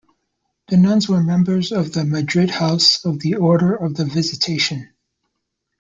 The nuns were members of the Madrid House of the Order of the Visitation.